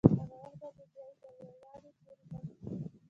هغه وخت به نو بیا ایټالویان چیري پاتې شي؟